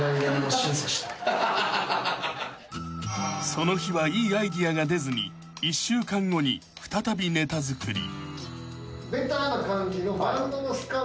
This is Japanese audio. ［その日はいいアイデアが出ずに１週間後に再びネタ作り］